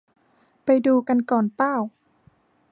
ไปดูกันก่อนป่าว